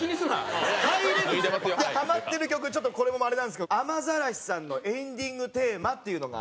ハマってる曲ちょっとこれもあれなんですけどａｍａｚａｒａｓｈｉさんの『エンディングテーマ』っていう。